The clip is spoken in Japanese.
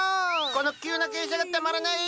この急な傾斜がたまらない！